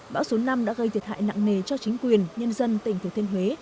bão số năm đã gây thiệt hại nặng nề cho chính quyền nhân dân tỉnh thừa thiên huế